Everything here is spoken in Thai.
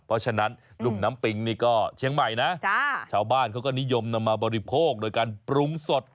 เพราะฉะนั้นรุ่มน้ำปิงนี่ก็เชียงใหม่นะชาวบ้านเขาก็นิยมนำมาบริโภคโดยการปรุงสด